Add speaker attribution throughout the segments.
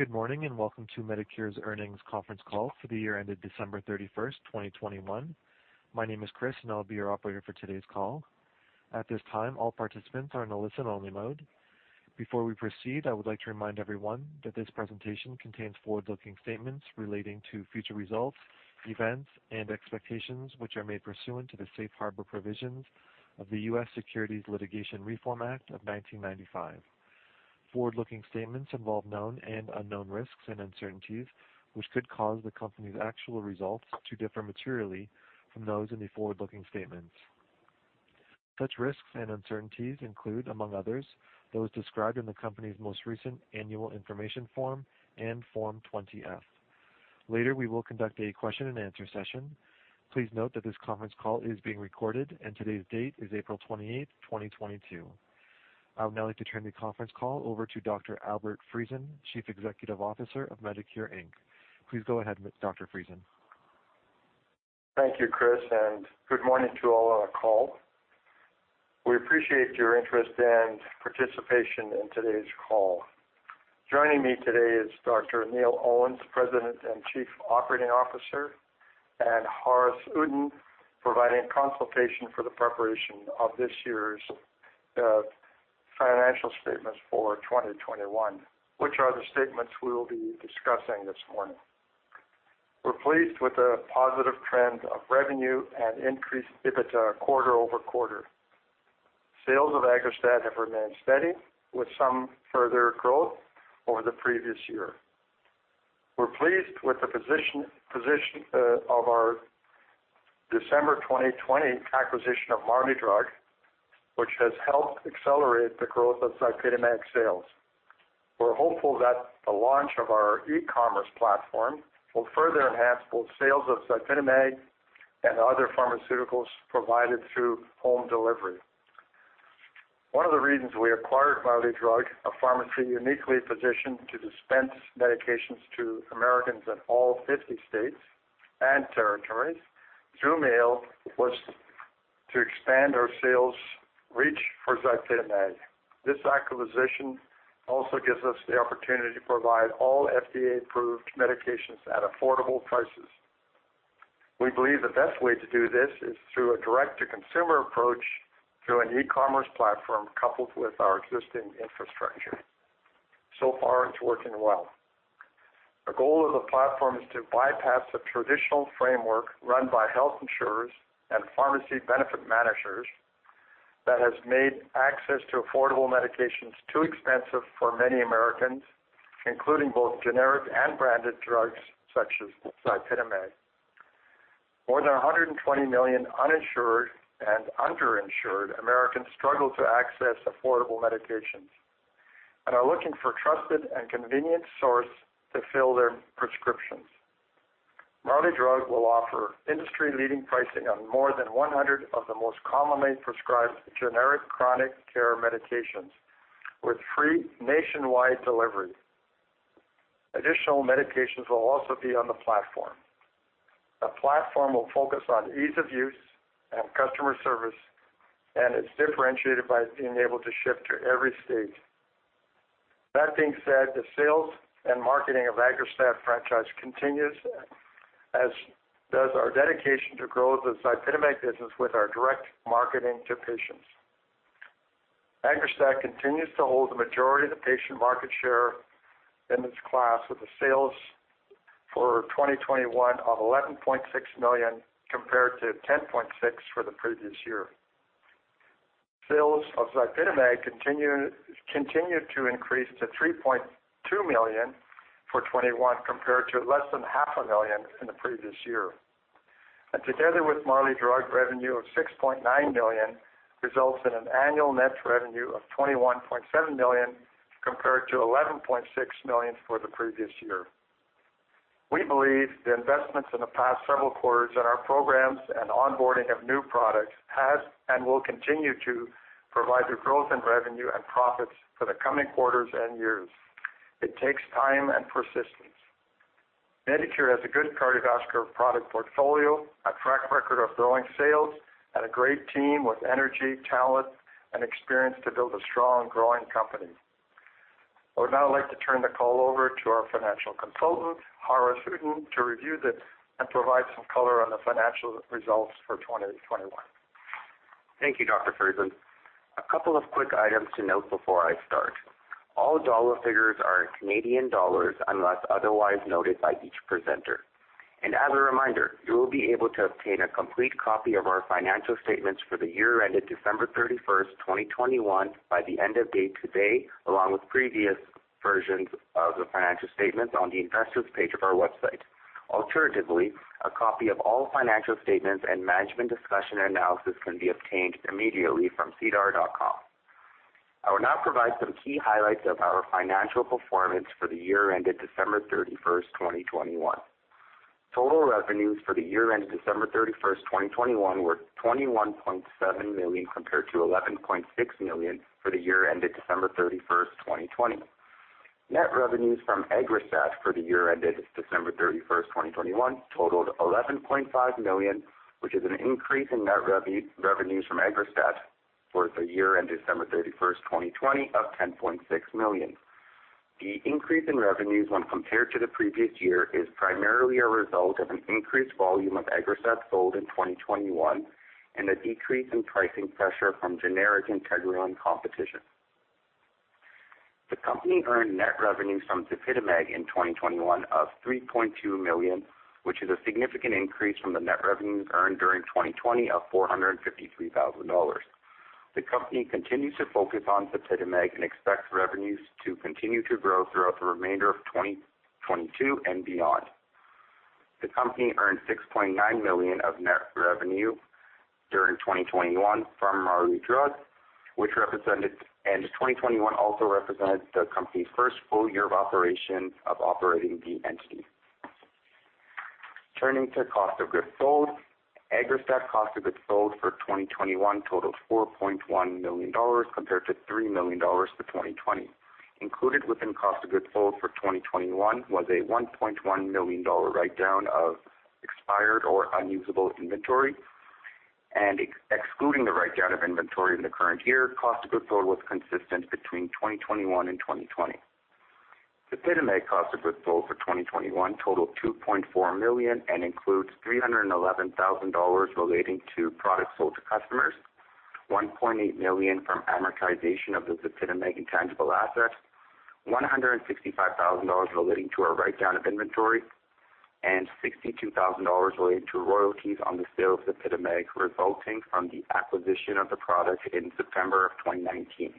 Speaker 1: Good morning, and welcome to Medicure's Earnings Conference Call for the year ended December 31st, 2021. My name is Chris, and I'll be your operator for today's call. At this time, all participants are in a listen-only mode. Before we proceed, I would like to remind everyone that this presentation contains forward-looking statements relating to future results, events, and expectations which are made pursuant to the safe harbor provisions of the Private Securities Litigation Reform Act of 1995. Forward-looking statements involve known and unknown risks and uncertainties which could cause the company's actual results to differ materially from those in the forward-looking statements. Such risks and uncertainties include, among others, those described in the company's most recent annual information form and Form 20-F. Later, we will conduct a question-and-answer session. Please note that this conference call is being recorded, and today's date is April 28, 2022. I would now like to turn the conference call over to Dr. Albert Friesen, Chief Executive Officer of Medicure Inc. Please go ahead, Dr. Friesen.
Speaker 2: Thank you, Chris, and good morning to all on our call. We appreciate your interest and participation in today's call. Joining me today is Dr. Neil Owens, President and Chief Operating Officer, and Haaris Uddin, providing consultation for the preparation of this year's financial statements for 2021, which are the statements we will be discussing this morning. We're pleased with the positive trend of revenue and increased EBITDA quarter-over-quarter. Sales of AGGRASTAT have remained steady with some further growth over the previous year. We're pleased with the position of our December 2020 acquisition of Marley Drug, which has helped accelerate the growth of ZYPITAMAG sales. We're hopeful that the launch of our e-commerce platform will further enhance both sales of ZYPITAMAG and other pharmaceuticals provided through home delivery. One of the reasons we acquired Marley Drug, a pharmacy uniquely positioned to dispense medications to Americans in all 50 states and territories through mail, was to expand our sales reach for ZYPITAMAG. This acquisition also gives us the opportunity to provide all FDA-approved medications at affordable prices. We believe the best way to do this is through a direct-to-consumer approach through an e-commerce platform coupled with our existing infrastructure. So far, it's working well. The goal of the platform is to bypass the traditional framework run by health insurers and pharmacy benefit managers that has made access to affordable medications too expensive for many Americans, including both generic and branded drugs such as ZYPITAMAG. More than 120 million uninsured and underinsured Americans struggle to access affordable medications and are looking for trusted and convenient source to fill their prescriptions. Marley Drug will offer industry-leading pricing on more than 100 of the most commonly prescribed generic chronic care medications with free nationwide delivery. Additional medications will also be on the platform. The platform will focus on ease of use and customer service, and it's differentiated by being able to ship to every state. That being said, the sales and marketing of Aggrastat franchise continues, as does our dedication to grow the ZYPITAMAG business with our direct marketing to patients. Aggrastat continues to hold the majority of the patient market share in this class with the sales for 2021 of 11.6 million compared to 10.6 million for the previous year. Sales of ZYPITAMAG continued to increase to 3.2 million for 2021 compared to less than half a million in the previous year. Together with Marley Drug revenue of 6.9 million results in an annual net revenue of 21.7 million compared to 11.6 million for the previous year. We believe the investments in the past several quarters in our programs and onboarding of new products has and will continue to provide the growth in revenue and profits for the coming quarters and years. It takes time and persistence. Medicure has a good cardiovascular product portfolio, a track record of growing sales, and a great team with energy, talent, and experience to build a strong growing company. I would now like to turn the call over to our financial consultant, Haaris Uddin, to review and provide some color on the financial results for 2021.
Speaker 3: Thank you, Dr. Friesen. A couple of quick items to note before I start. All dollar figures are in Canadian dollars unless otherwise noted by each presenter. As a reminder, you will be able to obtain a complete copy of our financial statements for the year ended December 31st, 2021 by the end of day today, along with previous versions of the financial statements on the investors page of our website. Alternatively, a copy of all financial statements and management discussion and analysis can be obtained immediately from sedar.com. I will now provide some key highlights of our financial performance for the year ended December 31st, 2021. Total revenues for the year ended December 31st, 2021 were 21.7 million compared to 11.6 million for the year ended December 31st, 2020. Net revenues from AGGRASTAT for the year ended December 31st, 2021 totaled 11.5 million, which is an increase in net revenues from AGGRASTAT for the year ended December 31st, 2020 of 10.6 million. The increase in revenues when compared to the previous year is primarily a result of an increased volume of AGGRASTAT sold in 2021 and a decrease in pricing pressure from generic Integrilin competition. The company earned net revenues from ZYPITAMAG in 2021 of 3.2 million, which is a significant increase from the net revenues earned during 2020 of $453,000. The company continues to focus on ZYPITAMAG and expects revenues to continue to grow throughout the remainder of 2022 and beyond. The company earned 6.9 million of net revenue during 2021 from Marley Drug, and 2021 also represented the company's first full year of operating the entity. Turning to cost of goods sold. AGGRASTAT cost of goods sold for 2021 totaled 4.1 million dollars compared to 3 million dollars for 2020. Included within cost of goods sold for 2021 was a 1.1 million dollar write-down of expired or unusable inventory. Excluding the write-down of inventory in the current year, cost of goods sold was consistent between 2021 and 2020. ZYPITAMAG cost of goods sold for 2021 totaled 2.4 million and includes 311 thousand dollars relating to products sold to customers, 1.8 million from amortization of the ZYPITAMAG intangible asset, 165 thousand dollars relating to a write-down of inventory, and 62 thousand dollars relating to royalties on the sale of ZYPITAMAG resulting from the acquisition of the product in September 2019.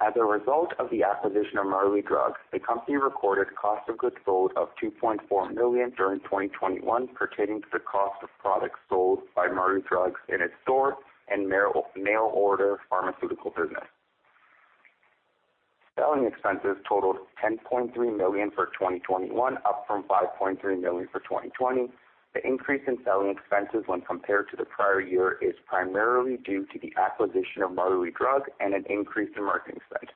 Speaker 3: As a result of the acquisition of Marley Drug, the company recorded cost of goods sold of 2.4 million during 2021 pertaining to the cost of products sold by Marley Drug in its store and mail-order pharmaceutical business. Selling expenses totaled 10.3 million for 2021, up from 5.3 million for 2020. The increase in selling expenses when compared to the prior year is primarily due to the acquisition of Marley Drug and an increase in marketing spend.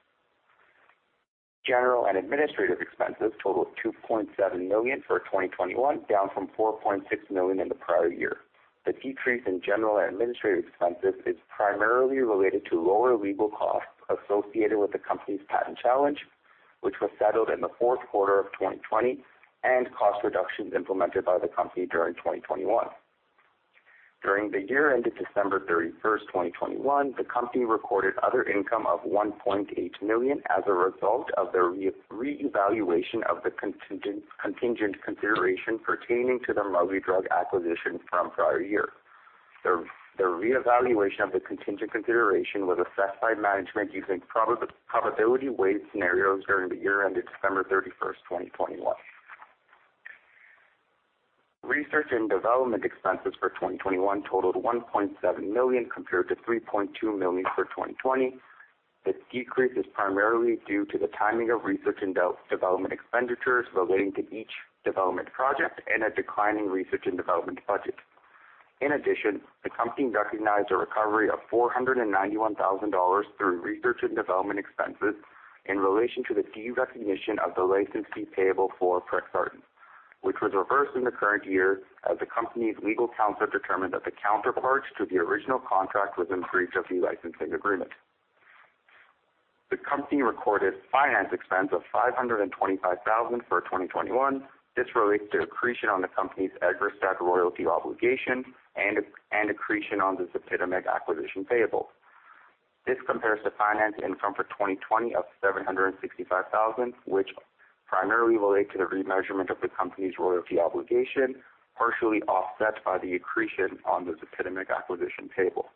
Speaker 3: General and administrative expenses totaled 2.7 million for 2021, down from 4.6 million in the prior year. The decrease in general and administrative expenses is primarily related to lower legal costs associated with the company's patent challenge, which was settled in the fourth quarter of 2020 and cost reductions implemented by the company during 2021. During the year ended December 31st, 2021, the company recorded other income of 1.8 million as a result of the reevaluation of the contingent consideration pertaining to the Marley Drug acquisition from prior year. The reevaluation of the contingent consideration was assessed by management using probability weighted scenarios during the year ended December 31st, 2021. Research and development expenses for 2021 totaled $1.7 million compared to $3.2 million for 2020. This decrease is primarily due to the timing of research and development expenditures relating to each development project and a decline in research and development budget. In addition, the company recognized a recovery of $491 thousand through research and development expenses in relation to the derecognition of the license fee payable for Prexxartan, which was reversed in the current year as the company's legal counsel determined that the counterparts to the original contract was in breach of the licensing agreement. The company recorded finance expense of $525 thousand for 2021. This relates to accretion on the company's AGGRASTAT royalty obligation and accretion on the ZYPITAMAG acquisition payable. This compares to finance income for 2020 of 765 thousand, which primarily relate to the remeasurement of the company's royalty obligation, partially offset by the accretion on the Apicore acquisition payable.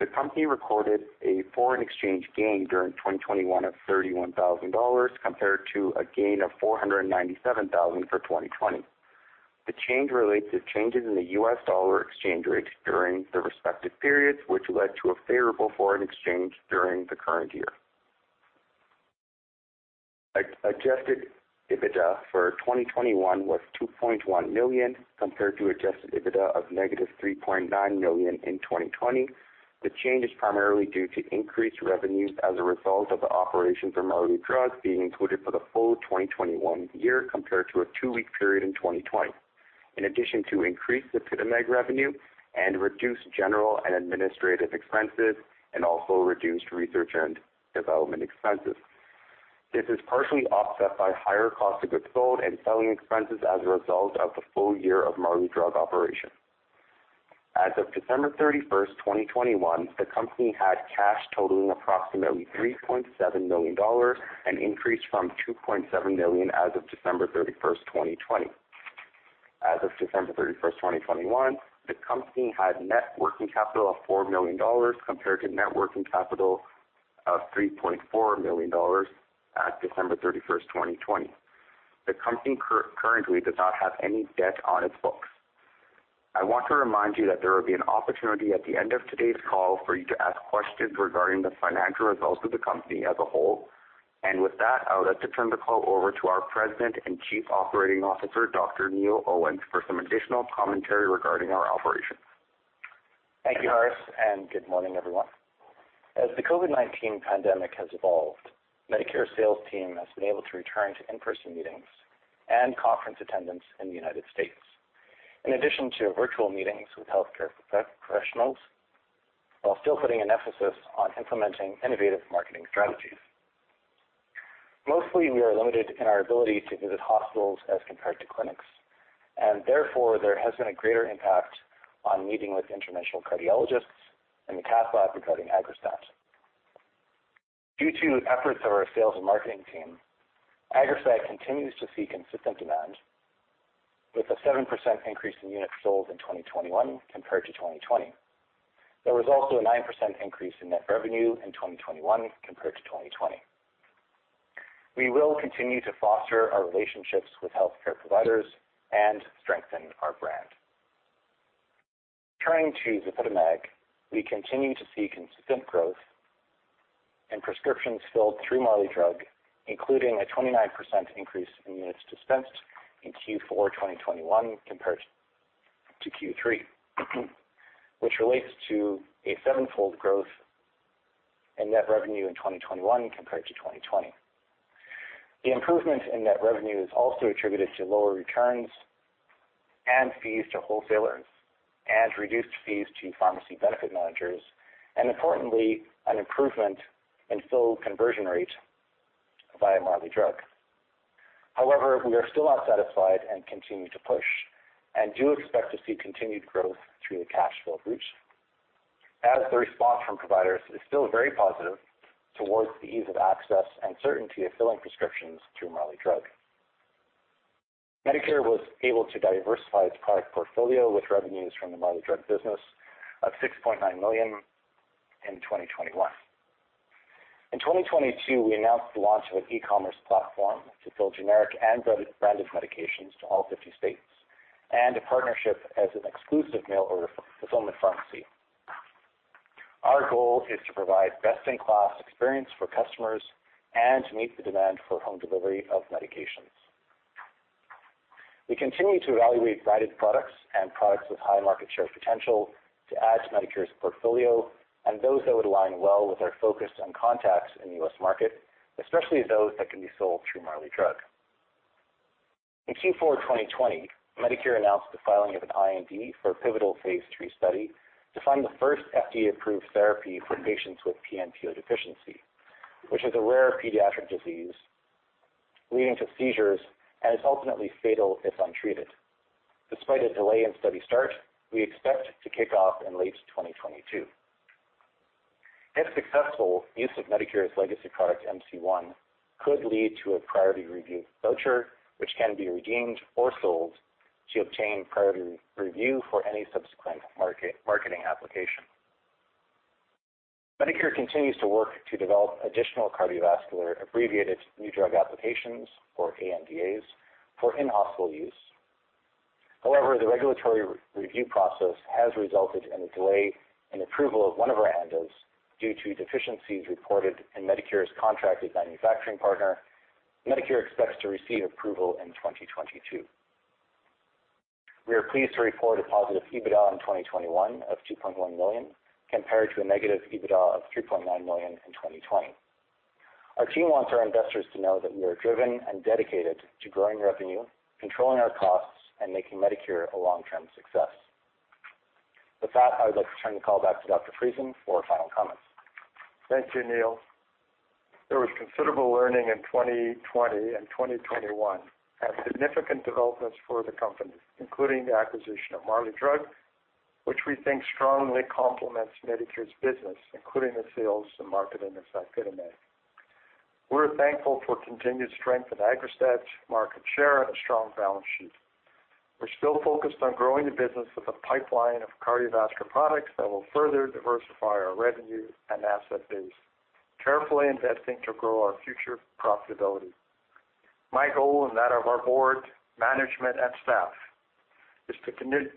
Speaker 3: The company recorded a foreign exchange gain during 2021 of 31 thousand dollars compared to a gain of 497 thousand for 2020. The change relates to changes in the US dollar exchange rate during the respective periods, which led to a favorable foreign exchange during the current year. Adjusted EBITDA for 2021 was 2.1 million compared to adjusted EBITDA of -3.9 million in 2020. The change is primarily due to increased revenues as a result of the operations of Marley Drug being included for the full 2021 year compared to a two-week period in 2020. In addition to increased ZYPITAMAG revenue and reduced general and administrative expenses and also reduced research and development expenses. This is partially offset by higher cost of goods sold and selling expenses as a result of the full year of Marley Drug operation. As of December 31st, 2021, the company had cash totaling approximately 3.7 million dollars, an increase from 2.7 million as of December 31st, 2020. As of December 31st, 2021, the company had net working capital of 4 million dollars compared to net working capital of 3.4 million dollars at December 31st, 2020. The company currently does not have any debt on its books. I want to remind you that there will be an opportunity at the end of today's call for you to ask questions regarding the financial results of the company as a whole. With that, I would like to turn the call over to our President and Chief Operating Officer, Dr. Neil Owens, for some additional commentary regarding our operations.
Speaker 4: Thank you, Haaris, and good morning, everyone. As the COVID-19 pandemic has evolved, Medicure sales team has been able to return to in-person meetings and conference attendance in the United States. In addition to virtual meetings with healthcare professionals, while still putting an emphasis on implementing innovative marketing strategies. Mostly, we are limited in our ability to visit hospitals as compared to clinics, and therefore, there has been a greater impact on meeting with interventional cardiologists in the cath lab regarding AGGRASTAT. Due to efforts of our sales and marketing team, AGGRASTAT continues to see consistent demand with a 7% increase in units sold in 2021 compared to 2020. There was also a 9% increase in net revenue in 2021 compared to 2020. We will continue to foster our relationships with healthcare providers and strengthen our brand. Turning to ZYPITAMAG, we continue to see consistent growth and prescriptions filled through Marley Drug, including a 29% increase in units dispensed in Q4 2021 compared to Q3, which relates to a 7-fold growth in net revenue in 2021 compared to 2020. The improvement in net revenue is also attributed to lower returns and fees to wholesalers and reduced fees to pharmacy benefit managers, and importantly, an improvement in fill conversion rate via Marley Drug. However, we are still not satisfied and continue to push and do expect to see continued growth through the cash flow route as the response from providers is still very positive towards the ease of access and certainty of filling prescriptions through Marley Drug. Medicure was able to diversify its product portfolio with revenues from the Marley Drug business of 69 million in 2021. In 2022, we announced the launch of an e-commerce platform to fill generic and branded medications to all 50 states and a partnership as an exclusive mail order fulfillment pharmacy. Our goal is to provide best-in-class experience for customers and to meet the demand for home delivery of medications. We continue to evaluate branded products and products with high market share potential to add to Medicure's portfolio and those that would align well with our focus on contracts in the US market, especially those that can be sold through Marley Drug. In Q4 2020, Medicure announced the filing of an IND for a pivotal phase III study to find the first FDA-approved therapy for patients with PNPO deficiency, which is a rare pediatric disease leading to seizures and is ultimately fatal if untreated. Despite a delay in study start, we expect to kick off in late 2022. If successful, use of Medicure's legacy product, MC-1 could lead to a priority review voucher, which can be redeemed or sold to obtain priority review for any subsequent marketing application. Medicure continues to work to develop additional cardiovascular abbreviated new drug applications or ANDAs for in-hospital use. However, the regulatory re-review process has resulted in a delay in approval of one of our ANDAs due to deficiencies reported in Medicure's contracted manufacturing partner. Medicure expects to receive approval in 2022. We are pleased to report a positive EBITDA in 2021 of 2.1 million compared to a negative EBITDA of 3.9 million in 2020. Our team wants our investors to know that we are driven and dedicated to growing revenue, controlling our costs and making Medicure a long-term success. With that, I would like to turn the call back to Dr. Friesen for final comments.
Speaker 2: Thank you, Neil. There was considerable learning in 2020 and 2021 and significant developments for the company, including the acquisition of Marley Drug, which we think strongly complements Medicure's business, including the sales and marketing of ZYPITAMAG. We're thankful for continued strength of Aggrastat's market share and a strong balance sheet. We're still focused on growing the business with a pipeline of cardiovascular products that will further diversify our revenue and asset base, carefully investing to grow our future profitability. My goal and that of our board, management, and staff is to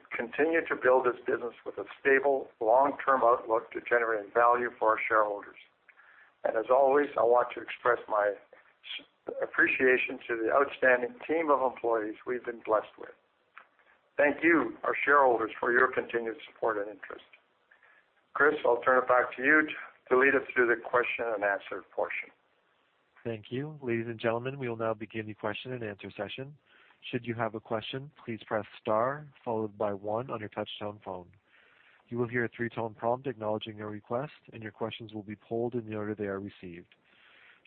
Speaker 2: continue to build this business with a stable, long-term outlook to generating value for our shareholders. As always, I want to express my appreciation to the outstanding team of employees we've been blessed with. Thank you, our shareholders for your continued support and interest. Chris, I'll turn it back to you to lead us through the question and answer portion.
Speaker 1: Thank you. Ladies and gentlemen, we will now begin the question and answer session. Should you have a question, please press star followed by one on your touch-tone phone. You will hear a three-tone prompt acknowledging your request, and your questions will be polled in the order they are received.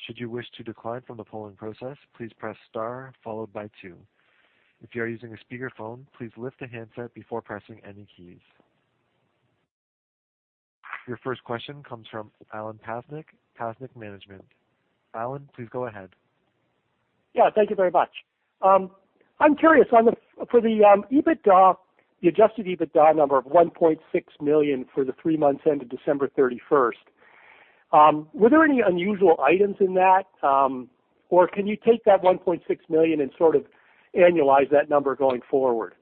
Speaker 1: Should you wish to decline from the polling process, please press star followed by two. If you are using a speakerphone, please lift the handset before pressing any keys. Your first question comes from Alan Pasnik Management. Alan, please go ahead.
Speaker 5: Yeah, thank you very much. I'm curious for the EBITDA, the adjusted EBITDA number of 1.6 million for the three months ended December 31st, were there any unusual items in that? Or can you take that 1.6 million and sort of annualize that number going forward?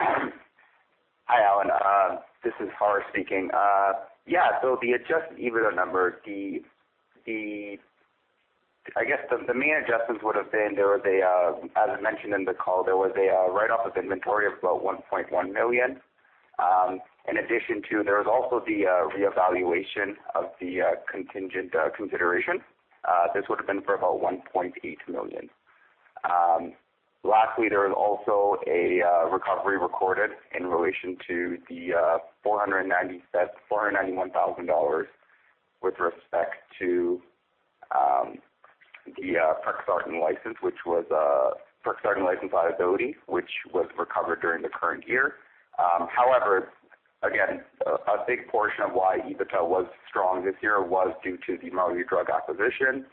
Speaker 3: Hi, Alan Pasnik. This is Haaris Uddin speaking. Yeah, the adjusted EBITDA number, I guess the main adjustments would have been. There was a write-off of inventory of about 1.1 million. In addition, there was also the reevaluation of the contingent consideration. This would have been for about 1.8 million. Lastly, there is also a recovery recorded in relation to the 491,000 dollars with respect to the Prexxartan license, which was the Prexxartan license liability, which was recovered during the current year. However, again, a big portion of why EBITDA was strong this year was due to the Marley Drug acquisition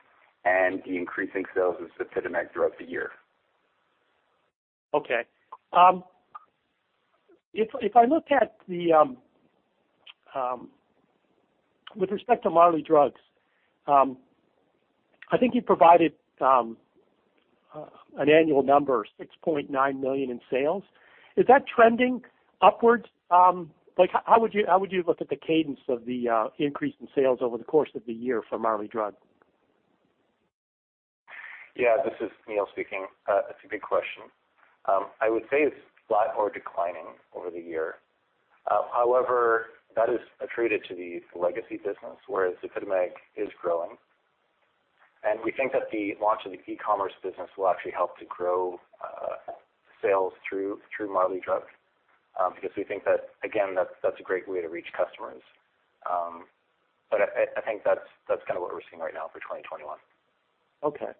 Speaker 3: and the increasing sales of ZYPITAMAG throughout the year.
Speaker 5: Okay. With respect to Marley Drug, I think you provided an annual number, 6.9 million in sales. Is that trending upwards? Like how would you look at the cadence of the increase in sales over the course of the year for Marley Drug?
Speaker 4: Yeah, this is Neil speaking. That's a good question. I would say it's flat or declining over the year. However, that is attributed to the legacy business, whereas ZYPITAMAG is growing. We think that the launch of the e-commerce business will actually help to grow sales through Marley Drug, because we think that again, that's a great way to reach customers. But I think that's kind of what we're seeing right now for 2021.
Speaker 5: Okay.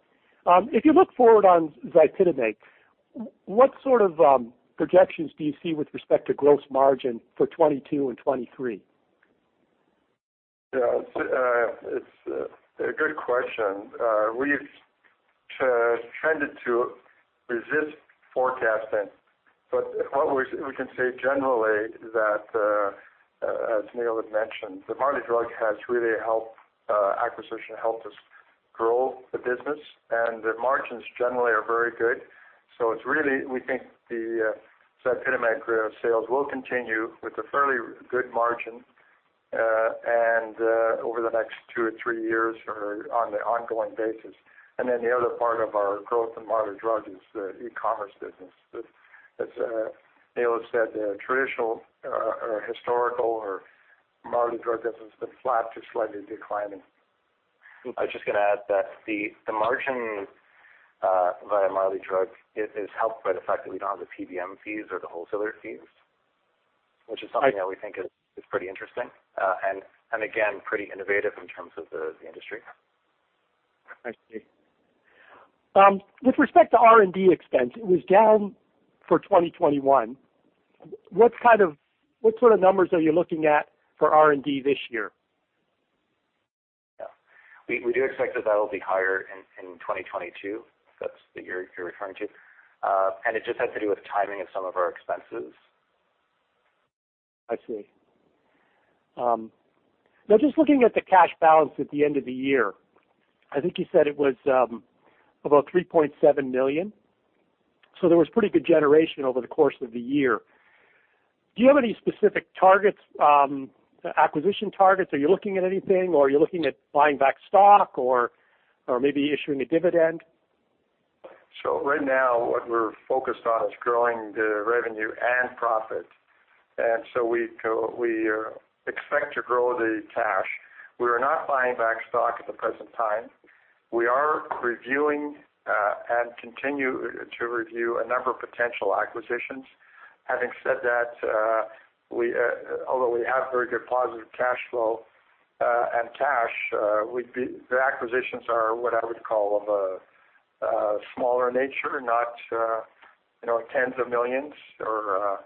Speaker 5: If you look forward on ZYPITAMAG, what sort of projections do you see with respect to gross margin for 2022 and 2023?
Speaker 2: Yeah. It's a good question. We've tended to resist forecasting, but what we can say generally is that, as Neil has mentioned, the Marley Drug acquisition has really helped us grow the business and the margins generally are very good. So it's really, we think the ZYPITAMAG sales will continue with a fairly good margin, and over the next two or three years or on the ongoing basis. Then the other part of our growth in Marley Drug is the e-commerce business. That's, as Neil has said, the traditional or historical Marley Drug business has been flat to slightly declining.
Speaker 4: I was just gonna add that the margin via Marley Drug is helped by the fact that we don't have the PBM fees or the wholesaler fees, which is something that we think is pretty interesting and again pretty innovative in terms of the industry.
Speaker 5: I see. With respect to R&D expense, it was down for 2021. What sort of numbers are you looking at for R&D this year?
Speaker 4: Yeah. We do expect that that'll be higher in 2022, if that's what you're referring to. It just has to do with timing of some of our expenses.
Speaker 5: I see. Now just looking at the cash balance at the end of the year, I think you said it was about 3.7 million. There was pretty good generation over the course of the year. Do you have any specific targets, acquisition targets? Are you looking at anything or are you looking at buying back stock or maybe issuing a dividend?
Speaker 2: Right now what we're focused on is growing the revenue and profit. We expect to grow the cash. We are not buying back stock at the present time. We are reviewing and continue to review a number of potential acquisitions. Having said that, although we have very good positive cash flow and cash, the acquisitions are what I would call of a smaller nature, not you know, tens of millions or.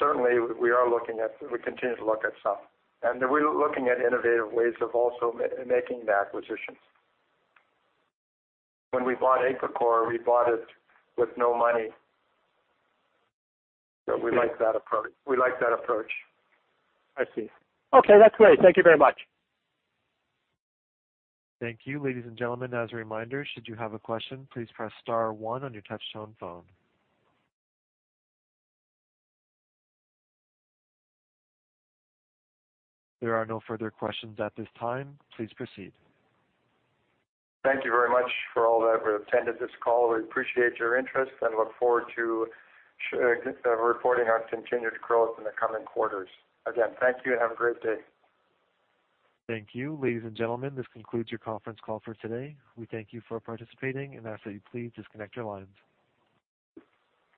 Speaker 2: Certainly we are looking at, we continue to look at some. We're looking at innovative ways of also making the acquisitions. When we bought Apicore, we bought it with no money. We like that approach.
Speaker 5: I see. Okay, that's great. Thank you very much.
Speaker 1: Thank you. Ladies and gentlemen, as a reminder, should you have a question, please press star one on your touch-tone phone. There are no further questions at this time. Please proceed.
Speaker 2: Thank you very much for all that have attended this call. We appreciate your interest and look forward to reporting our continued growth in the coming quarters. Again, thank you and have a great day.
Speaker 1: Thank you. Ladies and gentlemen, this concludes your conference call for today. We thank you for participating and ask that you please disconnect your lines.